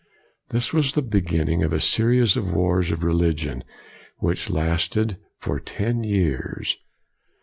This was the beginning of a series of wars of religion which lasted for ten years.